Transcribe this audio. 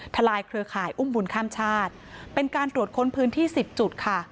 ลายเครือข่ายอุ้มบุญข้ามชาติเป็นการตรวจค้นพื้นที่สิบจุดค่ะ